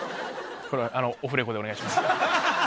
これはあのオフレコでお願いします